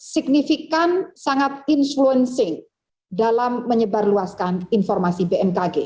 signifikan sangat influence dalam menyebarluaskan informasi bmkg